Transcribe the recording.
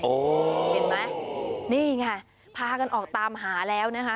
เห็นไหมนี่ไงพากันออกตามหาแล้วนะคะ